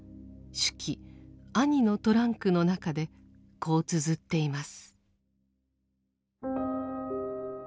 手記「兄のトランク」の中でこうつづっています。